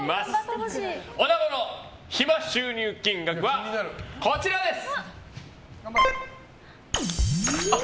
おなごの暇収入金額はこちらです！